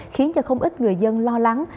khiến cho không ít người dân lo lắng